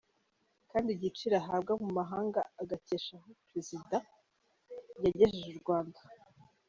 Kandi agaciro ahabwa mu mahanga agakesha aho Perezida Kagame yagejeje u Rwanda.